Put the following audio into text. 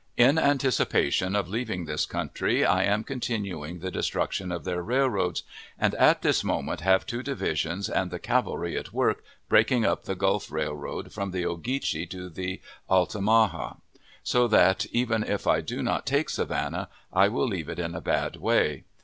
In anticipation of leaving this country, I am continuing the destruction of their railroads, and at this moment have two divisions and the cavalry at work breaking up the Gulf Railroad from the Ogeechee to the Altamaha; so that, even if I do not take Savannah, I will leave it in a bad way.